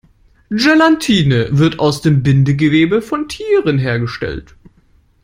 Gelatine wird aus dem Bindegewebe von Tieren hergestellt.